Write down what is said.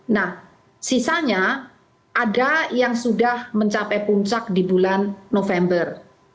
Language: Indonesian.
nah sisanya ada yang sudah mencapai puncak di bulan november